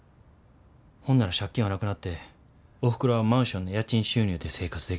ほんなら借金はなくなっておふくろはマンションの家賃収入で生活できる。